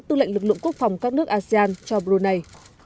tư lệnh lực lượng quốc phòng các nước asean cho brunei